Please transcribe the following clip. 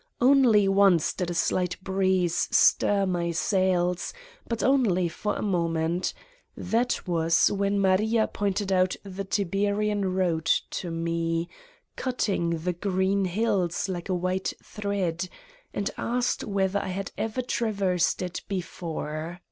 Only once did a slight breeze stir my sails, but only for a moment: that was when Maria pointed out the Tiberian road to me, cutting the green hills like a white thread, and asked whether I had ever traversed it before.